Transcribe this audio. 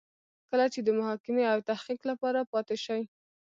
کله چې د محاکمې او تحقیق لپاره پاتې شي.